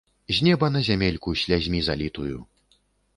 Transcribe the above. З неба на зямельку, слязьмі залітую!